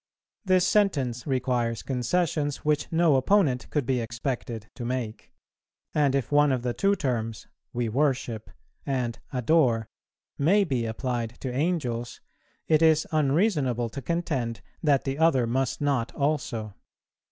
This sentence requires concessions, which no opponent could be expected to make; and if one of the two terms, we worship and adore, may be applied to Angels, it is unreasonable to contend that the other must not also.